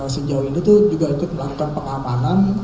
sejauh ini itu juga ikut melakukan pengamanan